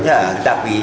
ya kereta api